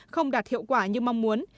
không đạt hiệu quả như mong muốn